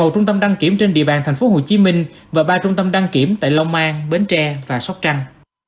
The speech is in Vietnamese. một trung tâm đăng kiểm trên địa bàn tp hcm và ba trung tâm đăng kiểm tại long an bến tre và sóc trăng